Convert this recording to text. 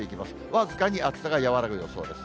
僅かに暑さが和らぐ予想です。